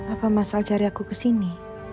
apa masal cari aku ke sini